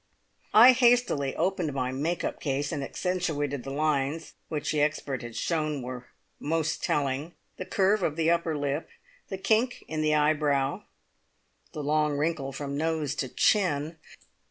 I hastily opened my "make up" case, and accentuated the lines which the expert had shown were most telling the curve of the upper lip, the kink in the eyebrow, the long wrinkle from nose to chin.